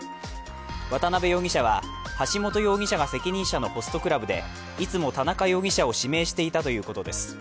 渡邊容疑者は、橋本容疑者が責任者のホスト容疑者でいつも田中容疑者を指名していたということです。